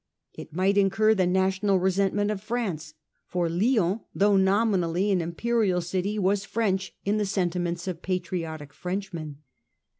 It might incur the national resentment of France, for Lyons, though nominally an Imperial city, was French in the sentiments of patriotic French men.